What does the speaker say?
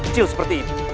perjalan an upper